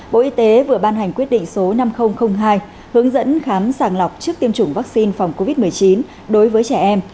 bộ y tế vừa ban hành quyết định số năm nghìn hai hướng dẫn khám sàng lọc trước tiêm chủng vaccine